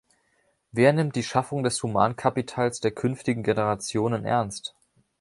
Wer nimmt die Schaffung des Humankapitals der künftigen Generationen ernst?